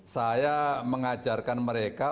saya mengajarkan mereka